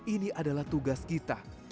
ini adalah tugas kita